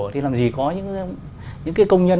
thì làm gì có những công nhân